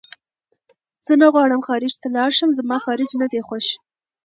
زه نه غواړم خارج ته لاړ شم زما خارج نه دی خوښ